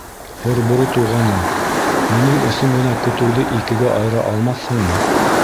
Һорбүре туғаным, минең өсөн генә көтөүҙе икегә айыра алмаҫһыңмы?